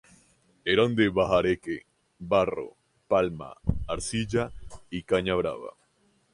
Eran de bahareque, barro, palma, arcilla y caña brava.